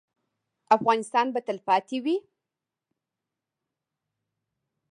افغانستان به تلپاتې وي؟